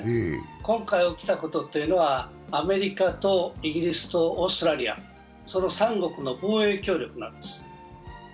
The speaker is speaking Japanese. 今回起きたことというのは、アメリカとイギリスとオーストラリア、３国の防衛協力なんです。